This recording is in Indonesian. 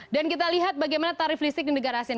dan kita lihat bagaimana tarif listrik di negara asean